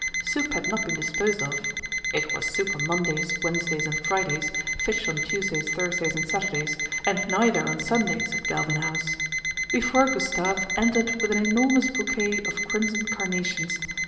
Soup had not been disposed of (it was soup on Mondays, Wednesdays, and Fridays ; fish on Tuesdays, Thursdays, and Saturdays, and neither on Sundays at Galvin House) before Gustave entered with an enormous bouquet of crimson carnations.